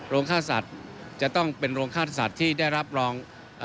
ค่าสัตว์จะต้องเป็นโรงฆ่าสัตว์ที่ได้รับรอง